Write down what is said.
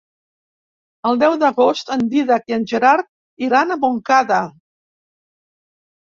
El deu d'agost en Dídac i en Gerard iran a Montcada.